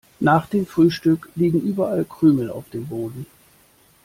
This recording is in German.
Nach dem Frühstück liegen überall Krümel auf dem Boden.